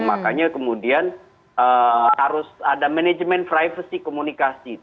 makanya kemudian harus ada manajemen privacy komunikasi